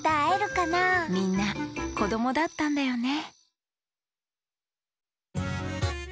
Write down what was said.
みんなこどもだったんだよね